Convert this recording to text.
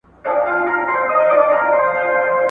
حیا مي راسي چي درته ګورم `